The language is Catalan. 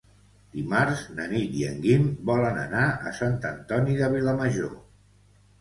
Dimarts na Nit i en Guim volen anar a Sant Antoni de Vilamajor.